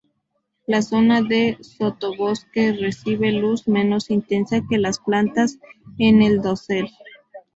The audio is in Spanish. La zona de sotobosque recibe luz menos intensa que las plantas en el dosel.